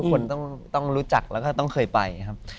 คนต้องรู้จักแล้วก็ต้องเคยไปครับ